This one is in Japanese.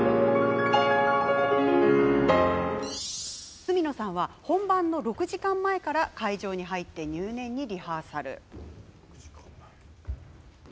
角野さんは本番の６時間前から会場に入って入念にリハーサル。